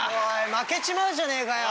負けちまうじゃねえかよ。